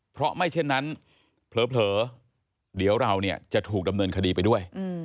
เพราะไม่เช่นนั้นเผลอเดี๋ยวเราเนี่ยจะถูกดำเนินคดีไปด้วย